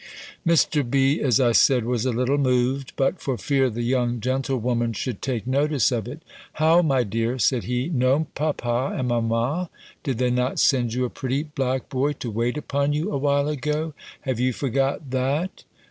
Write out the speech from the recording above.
Mr. B., as I said, was a little moved; but for fear the young gentlewoman should take notice of it "How! my dear," said he, "no papa and mamma! Did they not send you a pretty black boy to wait upon you, a while ago? Have you forgot that?"